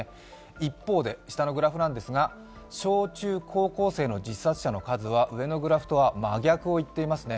一方で下のグラフなんですが、小・中・高校生のグラフは上のグラフとは真逆をいってますね。